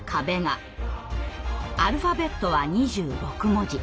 アルファベットは２６文字。